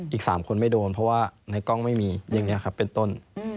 อีก๓คนไม่โดนเพราะว่าในกล้องไม่มีอย่างนี้ครับเป็นต้น